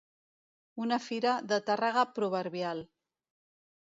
Una Fira de Tàrrega proverbial.